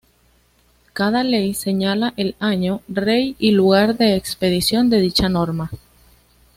Cada ley señala el año, rey y lugar de expedición de dicha norma.